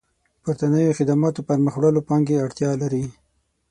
پورتنيو خدماتو پرمخ وړلو پانګې اړتيا لري.